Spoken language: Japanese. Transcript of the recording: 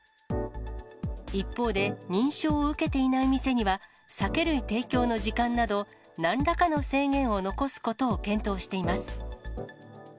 一方で、認証を受けていない店には、酒類提供の時間など、何らかの制限を残すことを検討しています。